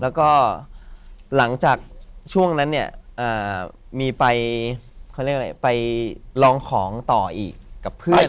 แล้วก็หลังจากช่วงนั้นเนี่ยมีไปไปลองของต่ออีกกับเพื่อน